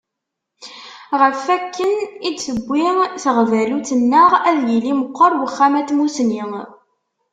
Ɣef wakken i d-tewwi teɣbalut-nneɣ, ad yili meqqer Uxxam-a n Tmussni.